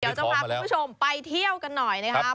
เดี๋ยวจะพาคุณผู้ชมไปเที่ยวกันหน่อยนะครับ